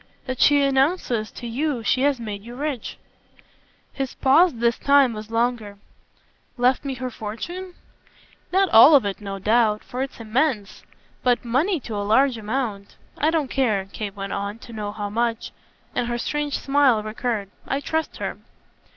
"That she announces to you she has made you rich." His pause this time was longer. "Left me her fortune?" "Not all of it, no doubt, for it's immense. But money to a large amount. I don't care," Kate went on, "to know how much." And her strange smile recurred. "I trust her."